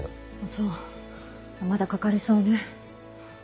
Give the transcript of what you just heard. そうまだかかりそうね。